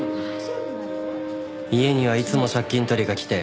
家にはいつも借金取りが来て。